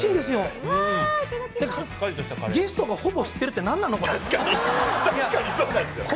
ゲストがほぼ知ってるって何なの、これ。